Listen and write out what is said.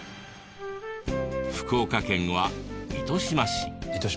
福岡県は糸島市。